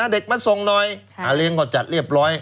เด็กมาส่งหน่อยอาเลี้ยงก็จัดเรียบร้อย